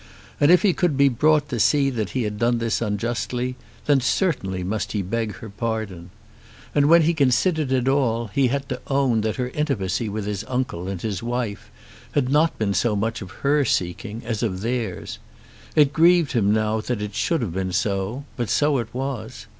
And if he could be brought to see that he had done this unjustly, then certainly must he beg her pardon. And when he considered it all, he had to own that her intimacy with his uncle and his wife had not been so much of her seeking as of theirs. It grieved him now that it should have been so, but so it was.